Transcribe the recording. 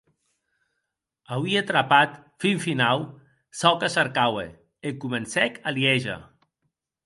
Auie trapat, fin finau, çò que cercaue, e comencèc a liéger.